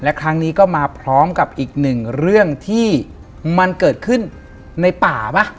และครั้งนี้ก็มาพร้อมกับอีกหนึ่งเรื่องที่มันเกิดขึ้นในป่าป่ะ